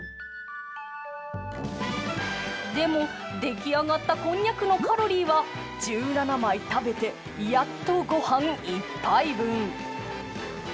でも出来上がったこんにゃくのカロリーは１７枚食べてやっとご飯１杯分。